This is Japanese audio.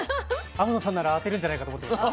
天野さんなら当てるんじゃないかと思ってました。